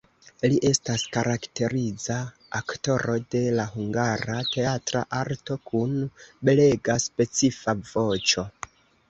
Li estas karakteriza aktoro de la hungara teatra arto kun belega, specifa voĉo.